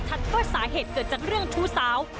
ในชั้นนี้ยังไม่แน่ทัดว่าสาเหตุเกิดจากเรื่องทู้สาว